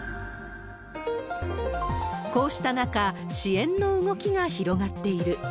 こうした中、支援の動きが広がっている。